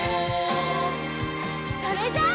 それじゃあ。